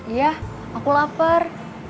iya aku lapar